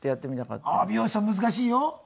美容師さん難しいよ。